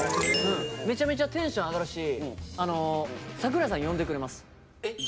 めちゃめちゃテンション上がるし桜井さん呼んでくれます。え？